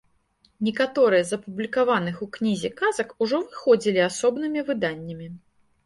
Некаторыя з апублікаваных у кнізе казак ужо выходзілі асобнымі выданнямі.